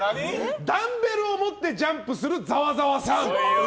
ダンベルを持ってジャンプするざわざわさん。